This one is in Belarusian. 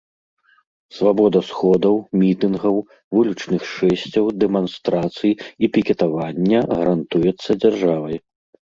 Свабода сходаў, мітынгаў, вулічных шэсцяў, дэманстрацый і пікетавання гарантуецца дзяржавай.